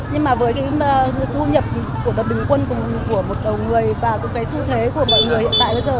nhưng mà với cái thu nhập của bình quân của một đầu người và cũng cái xu thế của mọi người hiện tại bây giờ